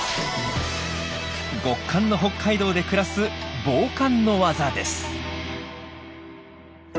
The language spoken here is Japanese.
極寒の北海道で暮らす防寒の技です。